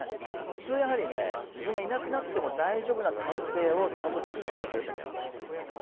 普通やはりね自分がいなくなっても大丈夫な体制をちゃんとつくるのが経営者の役割なんですよ。